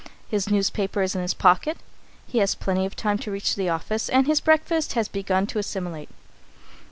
His newspaper is in his pocket, he has plenty of time to reach the office, and his breakfast has begun to assimilate.